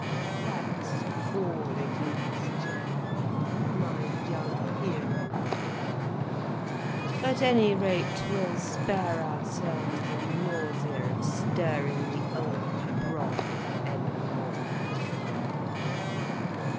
That's all it is, Gerald, my young hero. At any rate we'll spare ourselves the nausea of stirring the old broth any more.